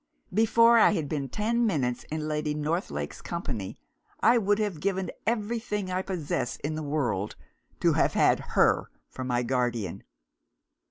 Before I had been ten minutes in Lady Northlake's company, I would have given everything I possess in the world to have had her for my guardian.